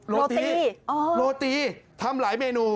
โรตี้อ๋อโรตี้ทำหลายเมนู